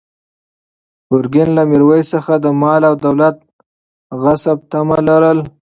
ګرګین له میرویس څخه د مال او دولت د غصب طمع لرله.